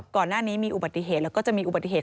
ก่อนหน้านี้มีอุบัติเหตุแล้วก็จะมีอุบัติเหตุ